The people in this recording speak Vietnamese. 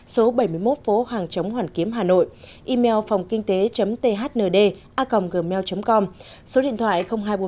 số bảy mươi một phố hoàng chống hoàn kiếm hà nội email phongkinhte thnd a gmail com số điện thoại hai trăm bốn mươi ba hai trăm sáu mươi sáu chín nghìn năm trăm linh ba